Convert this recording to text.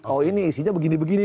oh ini isinya begini begini